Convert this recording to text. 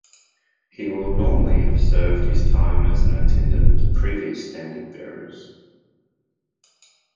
He will normally have served his time as an Attendant to previous Standard Bearers.